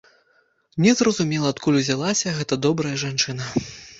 Не зразумела адкуль узялася гэта добрая жанчына.